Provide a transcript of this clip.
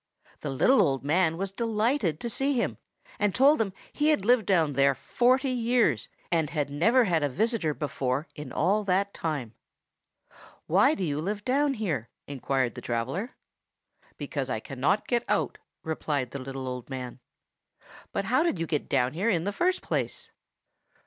The little old man was delighted to see him, and told him that he had lived down there forty years, and had never had a visitor before in all that time. "Why do you live down here?" inquired the traveller. "Because I cannot get out," replied the little old man. "But how did you get down here in the first place?"